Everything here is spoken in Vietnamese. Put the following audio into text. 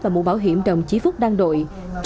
và mũ bảo hiểm đồng chí phúc đăng đội